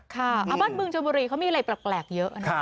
บ้านเมืองชนบุรีเขามีอะไรแปลกเยอะนะ